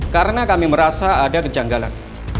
karena kami merasa ada kejanggalan